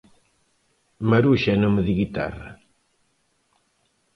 Maruxa é nome de guitarra.